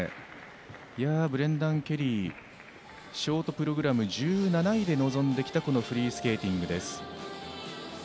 ブレンダン・ケリーショートプログラム１７位で臨んできたフリースケーティング。